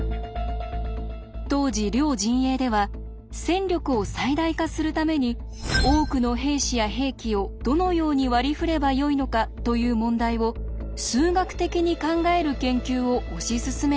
当時両陣営では戦力を最大化するために多くの兵士や兵器をどのように割り振ればよいのかという問題を数学的に考える研究を推し進めていました。